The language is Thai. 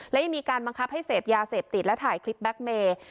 และยังมีการบังคับให้เสพยาเสพติดและถ่ายคลิปแก๊กเมย์